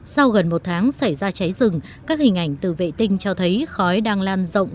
sau gần một tháng xảy ra cháy rừng các hình ảnh từ vệ tinh cho thấy khói đang lan rộng